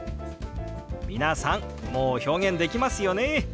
皆さんもう表現できますよね。